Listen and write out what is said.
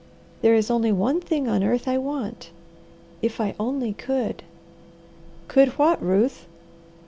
There is only one thing on earth I want. If I only could " "Could what, Ruth?"